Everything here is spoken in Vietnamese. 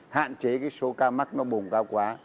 hạn chế cái số ca mắc nó bùng cao quá